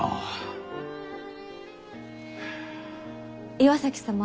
岩崎様。